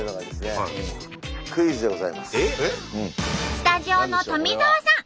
スタジオの富澤さん